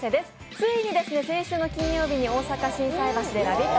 ついに先週の金曜日に大阪・心斎橋でラヴィット！